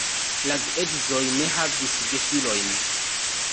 La geedzoj ne havis gefilojn.